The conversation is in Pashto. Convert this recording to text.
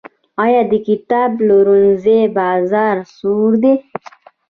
آیا د کتاب پلورنځیو بازار سوړ دی؟